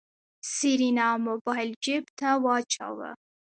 سېرېنا موبايل جېب ته واچوه.